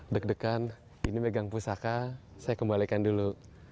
deg degan ini megang pusaka saya kembalikan dulu